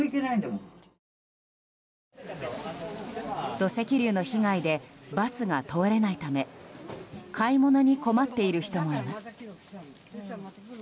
土石流の被害でバスが通れないため買い物に困っている人もいます。